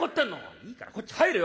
「いいからこっち入れよ！